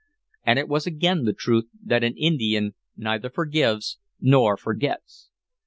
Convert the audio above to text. And it was again the truth that an Indian neither forgives nor forgets.